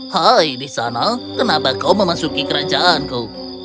hai di sana kenapa kau memasuki kerajaanku